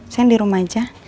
saya di rumah aja